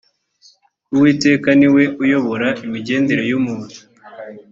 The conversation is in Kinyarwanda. uwiteka ni we uyobora imigendere y umuntu